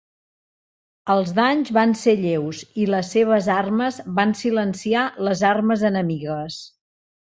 Els danys van ser lleus i les seves armes van silenciar les armes enemigues.